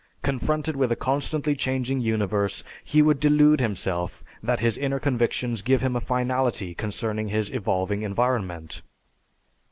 Confronted with a constantly changing universe, he would delude himself that his inner convictions give him a finality concerning his evolving environment.